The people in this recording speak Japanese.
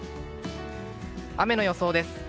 雨の予想です。